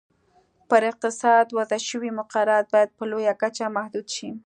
پر اقتصاد وضع شوي مقررات باید په لویه کچه محدود شي.